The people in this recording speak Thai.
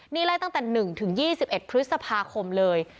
นี่ไล่ตั้งแต่๑๒๑พฤษภาคมเลย